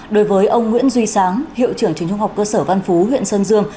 đối với ông nguyễn duy sáng hiệu trưởng trường trung học cơ sở văn phú huyện sơn dương